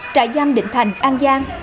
trại giam định thành an giang